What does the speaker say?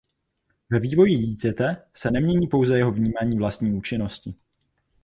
Ve vývoji dítěte se nemění pouze jeho vnímání vlastní účinnosti.